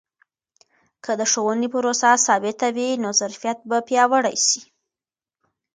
که د ښوونې پروسه ثابته وي، نو ظرفیت به پیاوړی سي.